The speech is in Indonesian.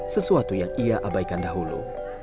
sesuatu yang ia abaikan dahulu